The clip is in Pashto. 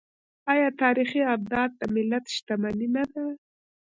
آیا تاریخي ابدات د ملت شتمني نه ده؟